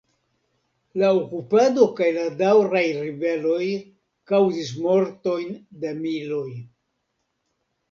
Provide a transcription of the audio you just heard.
La okupado kaj la daŭraj ribeloj kaŭzis mortojn de miloj.